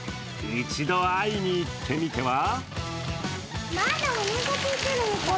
一度会いに行ってみては？